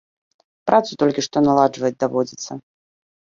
Працу толькі што наладжваць даводзіцца.